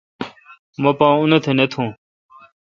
مہ پا اوتھ نہ تھون۔